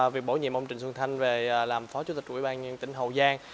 việc bổ nhiệm ông trịnh xuân thanh về làm phó chủ tịch ubnd tỉnh hậu giang